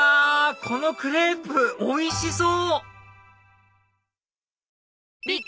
このクレープおいしそう！